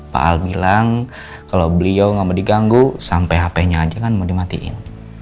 pak al bilang kalau beliau nggak mau diganggu sampai hp nya aja kan mau dimatiin